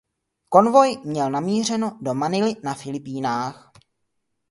Konvoj měl namířeno do Manily na Filipínách.